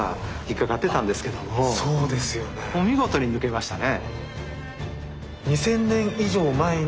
こう見事に抜けましたね。